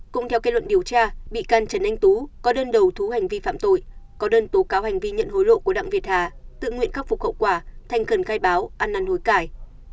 cũng theo kết luận điều tra bị can trần anh tú có đơn đầu thú hành vi phạm tội có đơn tố cáo hành vi nhận hối lộ của đặng việt hà tự nguyện khắc phục hậu quả thanh cần khai báo ăn năn hối cải